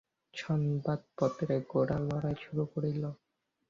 সংবাদপত্রে গোরা লড়াই শুরু করিল।